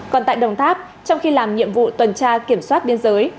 còn tại đồng tháp trong khi làm nhiệm vụ tuần tra kiểm soát biên giới